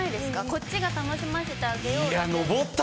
こっちが楽しませてあげようって。